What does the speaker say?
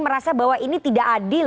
merasa bahwa ini tidak adil